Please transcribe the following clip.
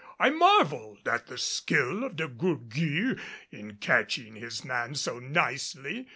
I marveled at the skill of De Gourgues in catching his man so nicely.